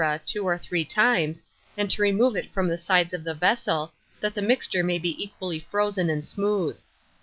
two or three times, and to remove it from the sides of the vessel, that the mixture may be equally frozen and smooth.